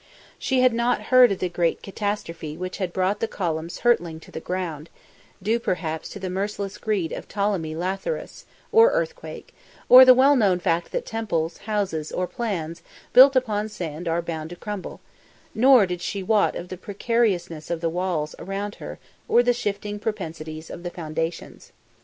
She had not heard of the great catastrophe which had brought the columns hurtling to the ground, due perhaps to the merciless greed of Ptolemy Lathyrus, or earthquake, or the well known fact that temples, houses or plans built upon sand are bound to crumble; nor did she wot of the precariousness of the walls around her or the shifting propensities of the foundations.